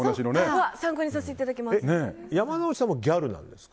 参考にさせていただきます。